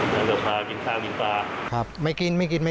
แล้วก็พากินข้าวกินปลา